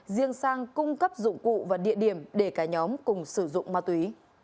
riêng sang cung cấp dụng cụ và địa điểm để cả nhóm cùng sử dụng ma túy